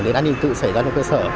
đến an ninh tự xảy ra trong cơ sở